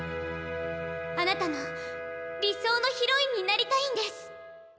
あなたの理想のヒロインになりたいんです。